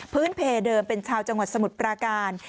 เพเดิมเป็นชาวจังหวัดสมุทรปราการ